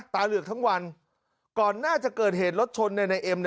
เหลือกทั้งวันก่อนน่าจะเกิดเหตุรถชนในเอ็ม